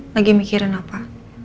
lagi mikirin apa